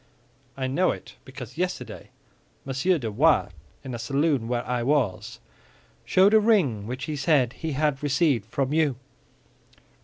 "I know it because yesterday Monsieur de Wardes, in a saloon where I was, showed a ring which he said he had received from you."